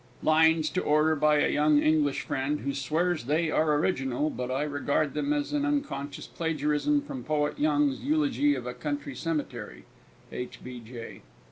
_Lines to order by a young English friend, who swears they are original. But I regard them as an unconscious plagiarism from Poet Young's "Eulogy of a Country Cemetery." H. B. J.